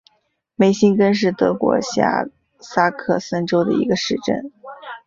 梅辛根是德国下萨克森州的一个市镇。